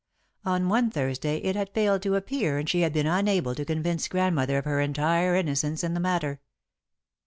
On one Thursday it had failed to appear and she had been unable to convince Grandmother of her entire innocence in the matter.